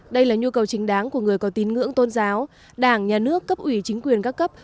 đây là nhu cầu chính đáng của người có tín ngưỡng tôn giáo đảng nhà nước cấp ủy chính quyền các cấp